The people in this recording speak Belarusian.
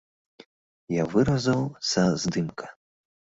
Я выразаў са здымка.